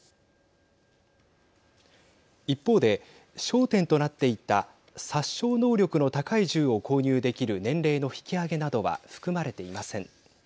一方で焦点となっていた殺傷能力の高い銃を購入できる年齢の引き上げなどは含まれていません。